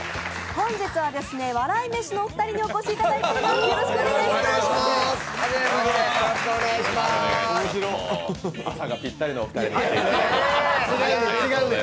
本日は笑い飯のお二人にお越しいただいています。